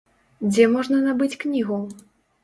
Дзе можна набыць кнігу?